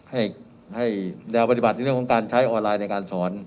ให้แนวปฏิบัติในเรื่องของการใช้ออนไลน์ในการสอน